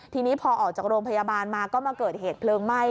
ทีนี้พอออกจากโรงพยาบาลมาก็มาเกิดเหตุเพลิงไหม้